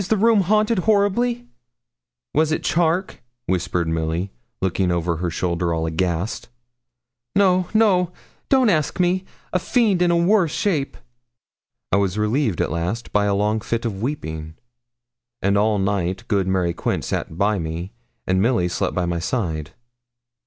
The room is haunted horribly.' 'Was it Charke?' whispered Milly, looking over her shoulder, all aghast. 'No, no don't ask me; a fiend in a worse shape.' I was relieved at last by a long fit of weeping; and all night good Mary Quince sat by me, and Milly slept by my side.